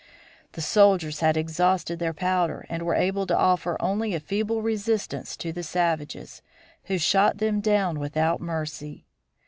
The soldiers had exhausted their powder and were able to offer only a feeble resistance to the savages, who shot them down without mercy.